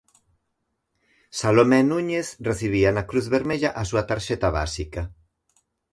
Salomé Núñez recibía na Cruz Vermella a súa tarxeta básica.